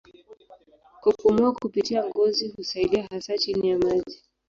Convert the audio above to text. Kupumua kupitia ngozi husaidia hasa chini ya maji.